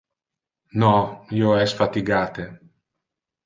No, io es fatigate.